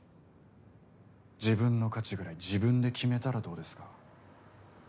自分の価値ぐらい自分で決めたらどうですか？